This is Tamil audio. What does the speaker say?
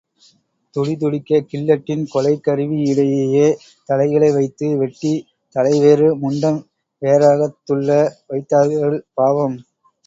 துடிதுடிக்கக் கில்லெட்டின் கொலைக் கருவியிடையே தலைகளை வைத்து வெட்டித் தலைவேறு முண்டம் வேறாகத்துள்ள வைத்த்தார்கள், பாவம்!